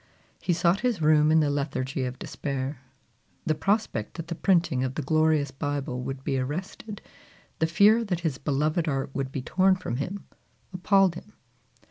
He sought his room in the lethargy of despair. The prospect that the printing of the glorious Bible would be arrested, the fear that his beloved art would be torn from him, appalled him.